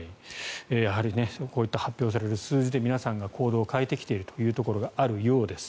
やはりこういった発表される数字で皆さんが行動を変えてきているというところがあるようです。